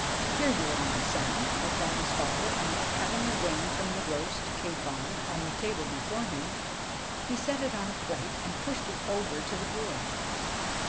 ' Here you are, my son,' replied his father ; and, cutting a wing from the roast capon on the table before him, he set it on a plate and pushed it over to the boy.